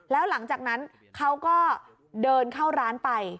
แล้วหลังจากนั้นเขาก็เดินเข้าร้านไป